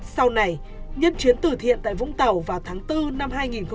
sau này nhân chuyến tử thiện tại vũng tàu vào tháng bốn năm hai nghìn một mươi chín